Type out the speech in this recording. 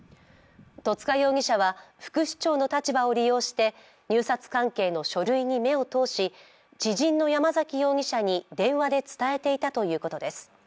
戸塚容疑者は副市長の立場を利用して入札関係の書類に目を通し知人の山崎容疑者に電話で伝えていたということです。